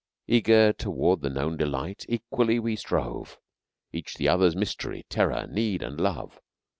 Eager toward the known delight, equally we strove, Each the other's mystery, terror, need, and love.